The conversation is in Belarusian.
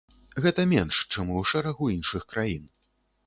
Гэта менш, чым у шэрагу іншых краін.